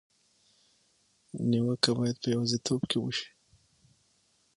نیوکه باید په یوازېتوب کې وشي.